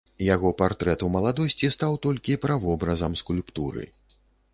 Яго партрэт у маладосці стаў толькі правобразам скульптуры.